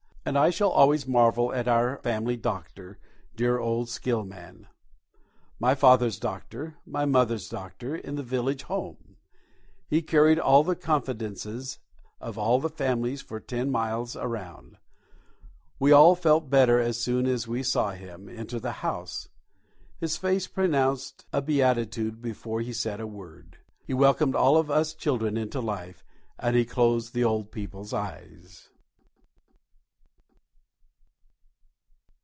And I shall always marvel at our family doctor. Dear old Dr. Skillman! My father's doctor, my mother's doctor, in the village home! He carried all the confidences of all the families for ten miles around. We all felt better as soon as we saw him enter the house. His face pronounced a beatitude before he said a word. He welcomed all of us children into life, and he closed the old people's eyes.